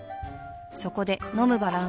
そこで飲むバランス栄養食